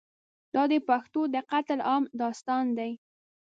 دا د پښتنو د قتل عام داستان دی.